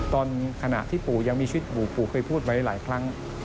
ขณะที่ปู่ยังมีชีวิตอยู่ปู่เคยพูดไว้หลายครั้ง